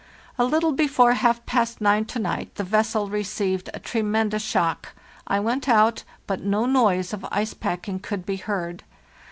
"A little before half past nine to night the vessel received a tremendous shock. I went out, but no noise of ice packing could be heard.